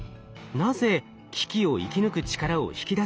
なぜ危機を生き抜く力を引き出せるのか。